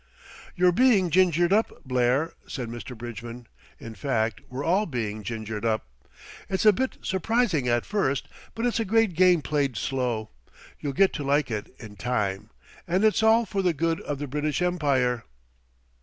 "You're being gingered up, Blair," said Sir Bridgman; "in fact, we're all being gingered up. It's a bit surprising at first; but it's a great game played slow. You'll get to like it in time, and it's all for the good of the British Empire."